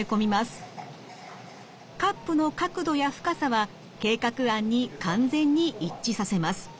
カップの角度や深さは計画案に完全に一致させます。